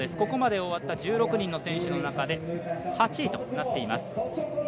ここまで終わった１６人の選手の中で８位となっています。